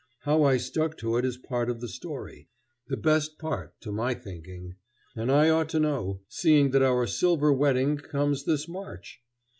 How I stuck to it is part of the story the best part, to my thinking; and I ought to know, seeing that our silver wedding comes this March.